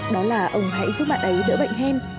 đó là ông hãy giúp bạn ấy đỡ bệnh hơn